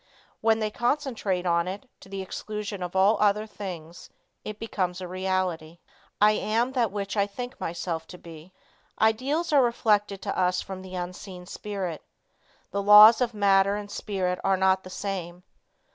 When they concentrate on it to the exclusion of all other things it becomes a reality. "I am that which I think myself to be." Ideals are reflected to us from the unseen spirit. The laws of matter and spirit are not the same.